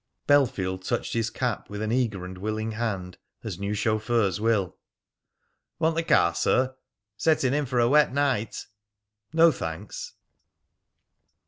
Bellfield touched his cap with an eager and willing hand, as new chauffeurs will. "Want the car, sir? Setting in for a wet night!" "No, thanks."